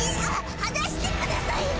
離してください！